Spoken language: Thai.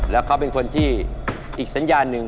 แล้วเขาเป็นคนที่อีกสัญญาณหนึ่ง